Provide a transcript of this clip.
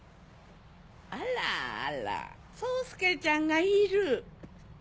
あらあら宗介ちゃんがいる！